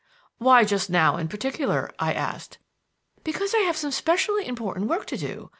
"Why just now in particular?" I asked. "Because I have some specially important work to do.